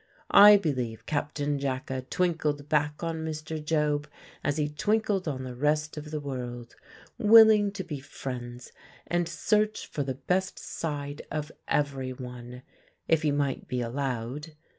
I believe Captain Jacka twinkled back on Mr. Job as he twinkled on the rest of the world, willing to be friends and search for the best side of everyone, if he might be allowed.